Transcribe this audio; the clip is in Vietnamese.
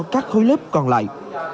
các khối lớp còn lại